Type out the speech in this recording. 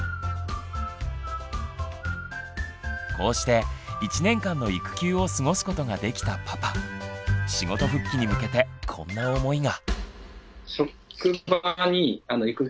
こうして１年間の育休を過ごすことができたパパ仕事復帰に向けてこんな思いが。